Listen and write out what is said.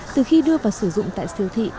từ khi đưa và sử dụng tại siêu thị